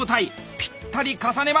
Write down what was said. ぴったり重ねます。